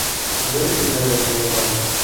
Хәҙер һиңә лә тамыҙам.